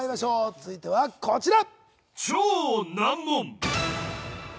続いてはこちら。